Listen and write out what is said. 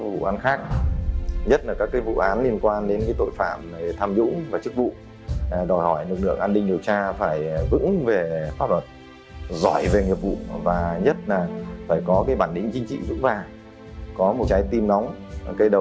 các vụ án khác nhất là các vụ án liên quan đến tội phạm tham dũng và chức vụ đòi hỏi lực lượng an ninh điều tra phải vững về pháp luật giỏi về nghiệp vụ và nhất là phải có bản đính chính trị dũng vàng có một trái tim nóng cây đầu lạnh và hai bàn tay thực sự trong sạch